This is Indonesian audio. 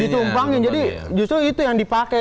ditumpangin jadi justru itu yang dipakai